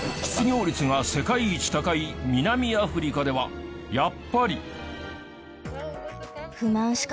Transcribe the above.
失業率が世界一高い南アフリカではやっぱり。